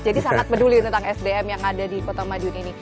jadi sangat peduli tentang sdm yang ada di kota madiun ini